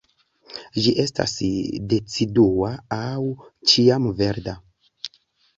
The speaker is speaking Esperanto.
Ĝi estas decidua aŭ ĉiamverda.